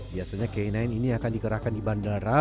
biasanya k sembilan ini akan dikerahkan di bandara